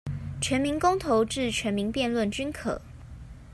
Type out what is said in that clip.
全民公投至全民辯論均可